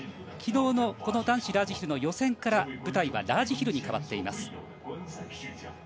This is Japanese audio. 昨日の男子ラージヒルの予選から舞台はラージヒルに変わっています。